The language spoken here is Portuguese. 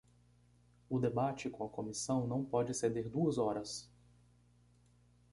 O debate com a comissão não pode exceder duas horas.